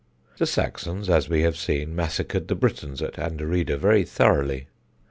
The Saxons, as we have seen, massacred the Britons at Anderida very thoroughly.